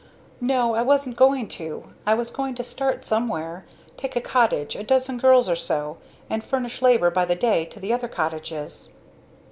"No, I wasn't going to. I was going to start somewhere take a cottage, a dozen girls or so and furnish labor by the day to the other cottages."